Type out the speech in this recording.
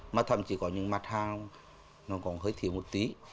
mà thậm chí có những mặt hàng nó cũng hơi thiếu một tí